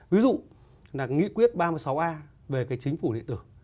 ví dụ là nghị quyết ba mươi sáu a về cái chính phủ điện tử